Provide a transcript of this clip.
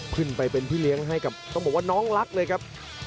ขึ้นไปเป็นพี่เลี้ยงให้กับต้องบอกว่าน้องรักเลยครับ